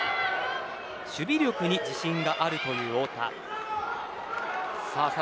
守備力に自信があるという太田です。